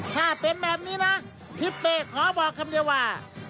ถ้าเป็นแบบนี้นะทิศเป้ขอบอกคำเดียวว่า